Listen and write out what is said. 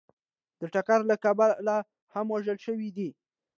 د ټکر له کبله هم وژل شوي دي